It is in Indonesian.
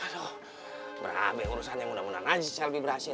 aduh berabe urusannya mudah mudahan aja si selby berhasil